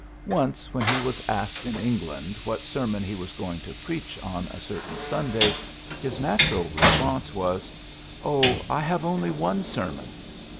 Once, when he was asked in England what sermon he was going to preach on a certain Sunday, his natural response was, ^^Oh, I have only one sermon."